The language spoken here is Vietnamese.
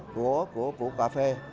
của cà phê